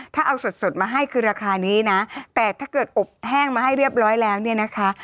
ถ้าเอาสดสดมาให้คือราคานี้นะแต่ถ้าเกิดอบแห้งมาให้เรียบร้อยแล้วเนี่ยนะคะ